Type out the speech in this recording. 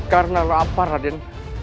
karena lapar raden